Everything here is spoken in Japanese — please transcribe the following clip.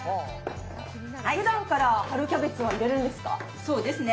ふだんから春キャベツは入れるんですね。